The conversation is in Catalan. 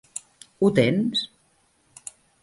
Ho tens?